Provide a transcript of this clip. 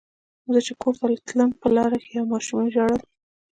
زه چې کور ته تلم په لاره کې یوې ماشومې ژړل.